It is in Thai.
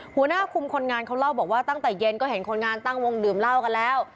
หัวหน้าคุมคนงานเขาเล่าบอกว่าตั้งแต่เย็นก็เห็นคนงานตั้งวงดื่มเหล้ากันแล้ว